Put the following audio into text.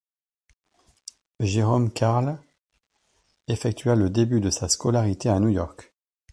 Jerome Karle effectua le début de sa scolarité à New York.